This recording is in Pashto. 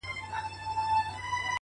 ښاا ځې نو،